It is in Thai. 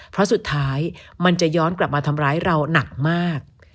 เพราะสุดท้ายมันจะย้อนกลับมาทำร้ายเราหนักมาก